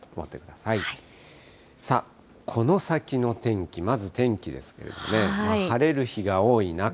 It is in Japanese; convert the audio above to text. さあ、この先の天気、まず天気ですけどね、晴れる日が多い中。